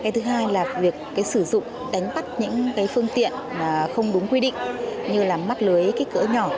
thứ hai là việc sử dụng đánh bắt những phương tiện không đúng quy định như là mắt lưới kích cỡ nhỏ